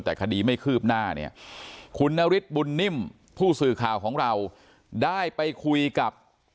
แต่คดีไม่คืบหน้าเนี่ยคุณนฤทธิบุญนิ่มผู้สื่อข่าวของเราได้ไปคุยกับ